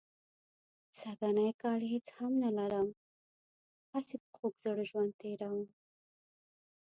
سږنی کال هېڅ هم نه لرم، هسې په خوږ زړه ژوند تېروم.